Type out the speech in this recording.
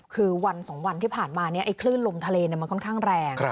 คือวัน๒วันที่ผ่านมาคลื่นลมทะเลมันค่อนข้างแรง